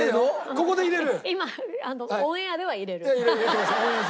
ここで入れる？